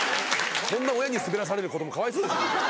こんな親にスベらされる子供かわいそうでしょ。